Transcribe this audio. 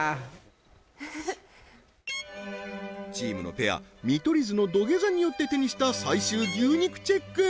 ふふふっチームのペア見取り図の土下座によって手にした最終牛肉チェック